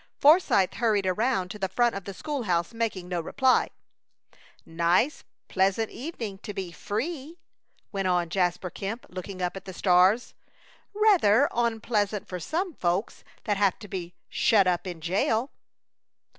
Forsythe hurried around to the front of the school house, making no reply. "Nice, pleasant evening to be free," went on Jasper Kemp, looking up at the stars. "Rather onpleasant for some folks that have to be shut up in jail."